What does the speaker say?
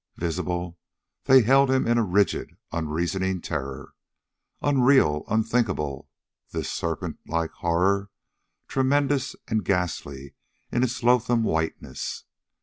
Visible, they held him in a rigid, unreasoning terror. Unreal, unthinkable, this serpentlike horror, tremendous and ghastly in its loathsome whiteness.